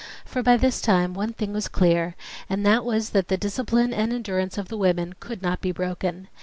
For by this time one thing was clear, and that was that the discipline and endurance of the women could not be broken.